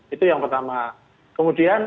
itu yang pertama kemudian